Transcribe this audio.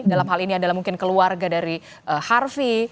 dalam hal ini mungkin adalah keluarga dari harvey